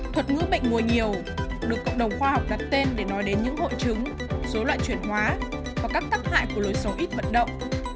thuật ngữ bệnh ngồi nhiều được cộng đồng khoa học đặt tên để nói đến những hội chứng số loại chuyển hóa và các tác hại của lối xấu ít bận động